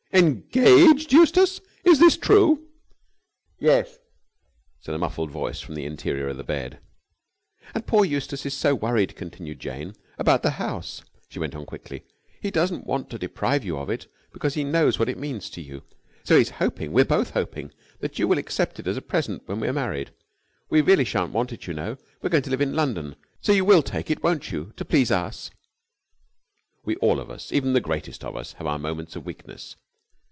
"Engaged! Eustace, is this true?" "Yes," said a muffled voice from the interior of the bed. "And poor Eustace is so worried," continued Jane, "about the house." She went on quickly. "He doesn't want to deprive you of it, because he knows what it means to you. So he is hoping we are both hoping that you will accept it as a present when we are married. We really shan't want it, you know. We are going to live in London. So you will take it, won't you to please us?" We all of us, even the greatest of us, have our moments of weakness.